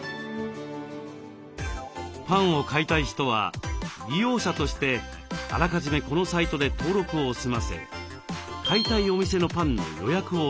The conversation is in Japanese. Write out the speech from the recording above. パンを買いたい人は利用者としてあらかじめこのサイトで登録を済ませ買いたいお店のパンの予約をしておきます。